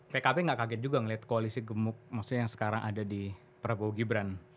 pkp gak kaget juga ngeliat koalisi gemuk yang sekarang ada di prabowo gibran